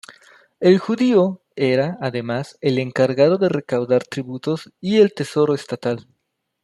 El judío era además el encargado de recaudar tributos y el tesoro estatal.